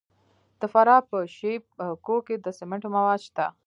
د فراه په شیب کوه کې د سمنټو مواد شته.